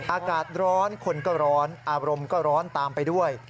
อากาศร้อนคนก็ร้อนอารมณ์ก็ร้อนตามไปด้วย